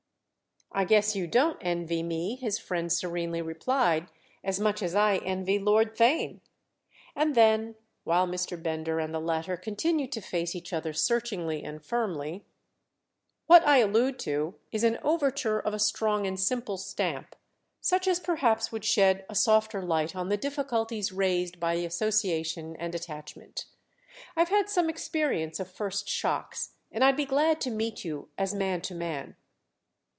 "I guess you don't envy me," his friend serenely replied, "as much as I envy Lord Theign." And then while Mr. Bender and the latter continued to face each other searchingly and firmly: "What I allude to is an overture of a strong and simple stamp—such as perhaps would shed a softer light on the difficulties raised by association and attachment. I've had some experience of first shocks, and I'd be glad to meet you as man to man."